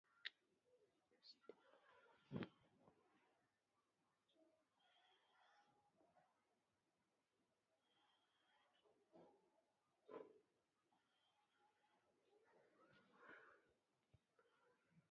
استعلام د پوښتنې رسمي بڼه ده